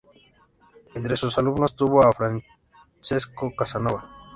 Entre sus alumnos tuvo a Francesco Casanova.